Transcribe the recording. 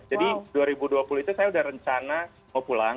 jadi dua ribu dua puluh itu saya udah rencana mau pulang